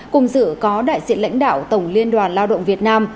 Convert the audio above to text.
cùng dự có đại diện lãnh đạo tổng liên đoàn lao động việt nam